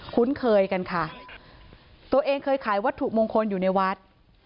คุ้นเคยกันค่ะตัวเองเคยขายวัตถุมงคลอยู่ในวัด